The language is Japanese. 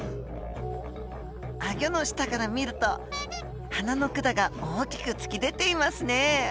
あごの下から見ると鼻の管が大きく突き出ていますね。